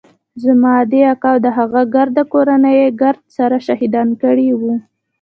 زما ادې اکا او د هغه ګرده کورنۍ يې ګرد سره شهيدان کړي وو.